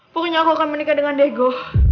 pokoknya aku akan menikah dengan diego